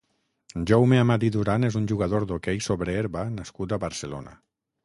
Jaume Amat i Duran és un jugador d'hoquei sobre herba nascut a Barcelona.